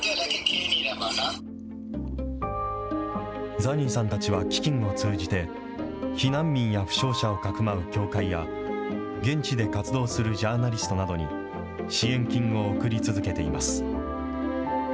ザニーさんたちは基金を通じて、避難民や負傷者をかくまう教会や、現地で活動するジャーナリストなどに支援金を送り続けています。